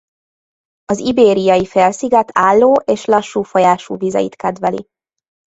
Az Ibériai-félsziget álló- és lassú folyású vizeit kedveli.